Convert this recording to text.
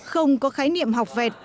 không có khái niệm học vẹt